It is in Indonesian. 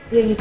iya ini tuh